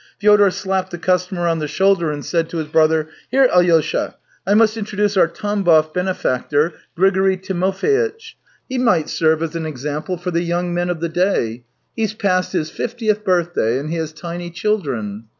Fyodor slapped the customer on the shoulder and said to his brother: " Here, Alyosha, I must introduce our Tambov benefactor, Grigory Timofeitch. He might serve as an example for the young men of the day; he's passed his fiftieth birthday, and he has tiny children."